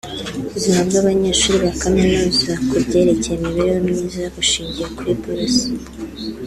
“Ubuzima bw’abanyeshuri ba kaminuza ku byerekeye imibereho myiza bushingiye kuri buruse